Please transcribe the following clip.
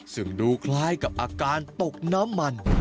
ซึ่งดูคล้ายกับอาการตกน้ำมัน